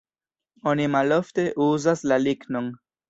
Oni malofte uzas la lignon.